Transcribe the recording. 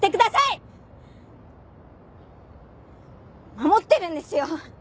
守ってるんですよ。